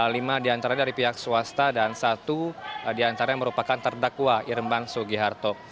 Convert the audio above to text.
lima diantara dari pihak swasta dan satu diantara yang merupakan terdakwa irman sugiharto